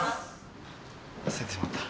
忘れてしまった。